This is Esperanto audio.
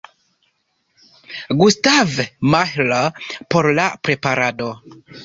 Gustav Mahler por la preparado.